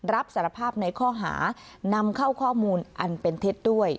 รับสารภาพในข้อหานำเข้าข้อมูลอันเป็นเท็จด้วย